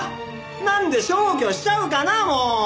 なんで消去しちゃうかなもう！